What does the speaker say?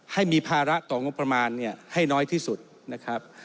ให้มีภาระต่องบประมาณให้น้อยที่สุดนะครับ